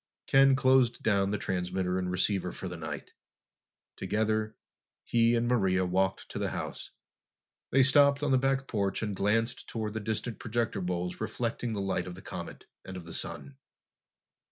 Ken closed down the transmitter and receiver for the night. Together, he and Maria walked to the house. They stopped on the back porch and glanced toward the distant projector bowls reflecting the light of the comet and of the sun.